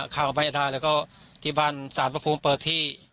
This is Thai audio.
ข้าวบ้านอื่นไม่ได้เลยก็ที่บ้านสารประภูมิเปิดที่